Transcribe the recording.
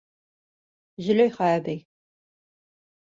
Зөләйха әбей: